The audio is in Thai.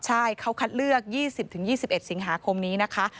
ใช่เขาคัดเลือก๒๐๒๑สิงหาคมนี้นะคะ